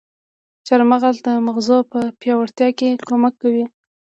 چارمغز د مغزو په پياوړتيا کې کمک کوي.